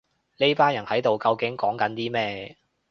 呢班人喺度究竟講緊啲咩